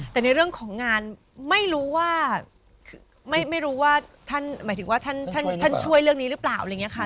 แต่ในเรื่องของงานไม่รู้ว่าไม่รู้ว่าท่านหมายถึงว่าท่านช่วยเรื่องนี้หรือเปล่าอะไรอย่างนี้ค่ะ